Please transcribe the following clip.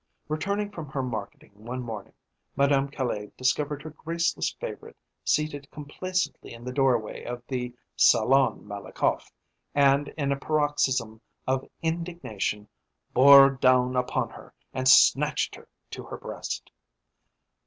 Returning from her marketing one morning, Madame Caille discovered her graceless favourite seated complacently in the doorway of the Salon Malakoff, and, in a paroxysm of indignation, bore down upon her, and snatched her to her breast.